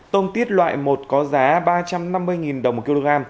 tôm tiết loại một có giá ba trăm năm mươi đồng một kg